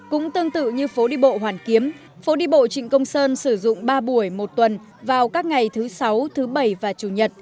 cũng tương tự như phố đi bộ hoàn kiếm phố đi bộ trịnh công sơn sử dụng ba buổi một tuần vào các ngày thứ sáu thứ bảy và chủ nhật